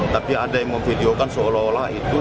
tapi ada yang memvideokan seolah olah itu